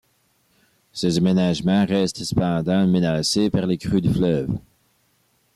Ces aménagements restent cependant menacés par les crues du fleuve.